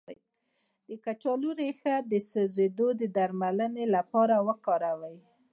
د کچالو ریښه د سوځیدو د درملنې لپاره وکاروئ